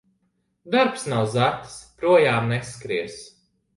Darbs nav zaķis – projām neskries.